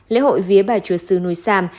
lễ hội vía bài chúa sư núi sam